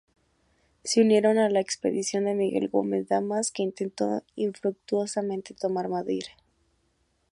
Se unieron a la expedición de Miguel Gómez Damas, que intentó infructuosamente tomar Madrid.